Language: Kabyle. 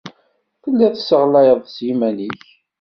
Telliḍ tesseɣlayeḍ s yiman-nnek.